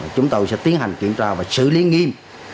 chúng tôi sẽ tiến hành kiểm tra và xử lý nghiêm